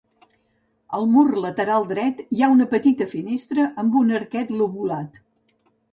Al mur lateral dret hi ha una petita finestra amb un arquet lobulat.